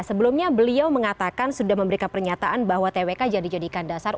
sebelumnya beliau mengatakan sudah memberikan pernyataan bahwa twk jadi jadikan dasar